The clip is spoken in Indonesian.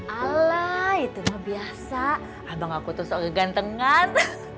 alah itu ngebiasa abang aku tuh sok kegantengan